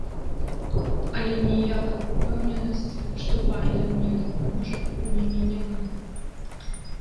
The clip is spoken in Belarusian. Але ніякай упэўненасці, што партыя мне дапаможа, у мяне няма.